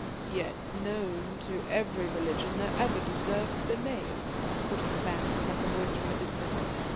"Yet known to every religion that ever deserved the name," put in Vance like a voice from a distance.